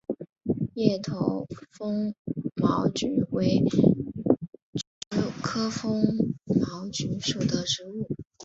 叶头风毛菊为菊科风毛菊属的植物。